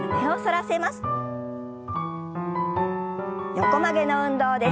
横曲げの運動です。